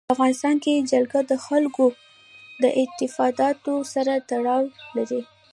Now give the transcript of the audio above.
په افغانستان کې جلګه د خلکو د اعتقاداتو سره تړاو لري.